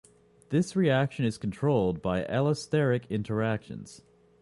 This reaction is controlled by allosteric interactions.